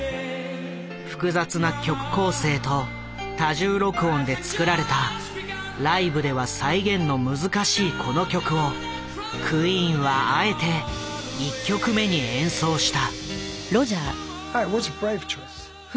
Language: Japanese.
複雑な曲構成と多重録音でつくられたライブでは再現の難しいこの曲をクイーンはあえて１曲目に演奏した。